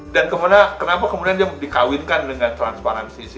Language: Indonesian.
dan kenapa kemudian dikawinkan dengan transparansi